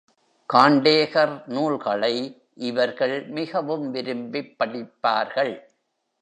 காண்டேகர் நூல்களை இவர்கள் மிகவும் விரும்பிப் படிப்பார்கள்.